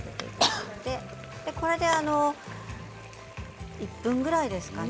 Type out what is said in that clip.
これで１分ぐらいですかね。